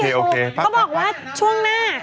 เขาบอกว่าช่วงหน้า